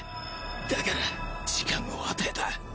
だから時間を与えた。